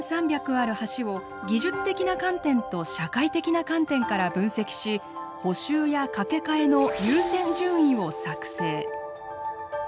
ある橋を技術的な観点と社会的な観点から分析し補修や架け替えの優先順位を作成。